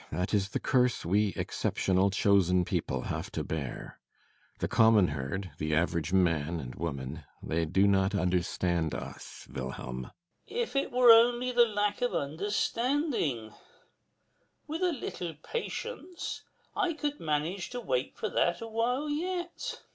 That is the curse we exceptional, chosen people have to bear. The common herd the average man and woman they do not understand us, Vilhelm. FOLDAL. [With resignation.] If it were only the lack of understanding with a little patience, one could manage to wait for that awhile yet.